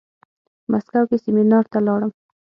مسکو کې سيمينار ته لاړم.